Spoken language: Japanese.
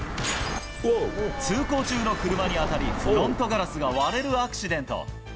通行中の車に当たり、フロントガラスが割れるアクシデント。